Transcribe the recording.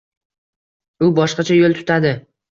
U boshqacha yo‘l tutadi.